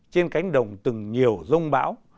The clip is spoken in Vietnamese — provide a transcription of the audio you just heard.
trên cánh đồng từng nhiều dông bão